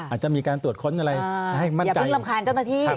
อาจจะมีการตรวจค้นอะไรให้ให้อย่าเพิ่งรำคันเจ้านาที